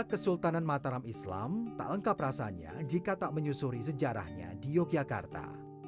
kesultanan mataram islam tak lengkap rasanya jika tak menyusuri sejarahnya di yogyakarta